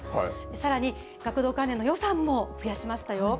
さらに学童関連の予算も増やしましたよ。